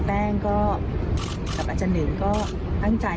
เพราะแม้วันนี้นะครับจะประกาศยุติบทบาทแต่ทุกสิ่งต้องดำเนินไปข้างหน้าครับ